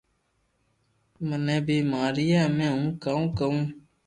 منو بي مارئي امي ھون ڪاوو ڪارو